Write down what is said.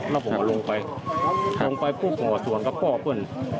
แล้วผมลงไปลงไปปุ๊บผมออกส่วนแล้วก็ออกขึ้น